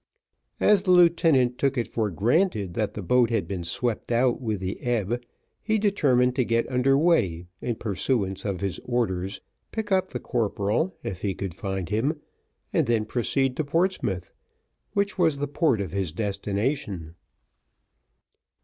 As the lieutenant took it for granted that the boat had been swept out with the ebb, he determined to get under weigh in pursuance of his orders, pick up the corporal, if he could find him, and then proceed to Portsmouth, which was the port of his destination.